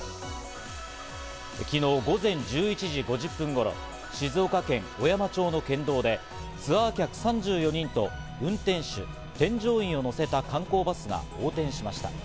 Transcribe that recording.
昨日、午前１１時５０分頃、静岡県小山町の県道でツアー客３４人と運転手、添乗員を乗せた観光バスが横転しました。